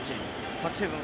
昨シーズン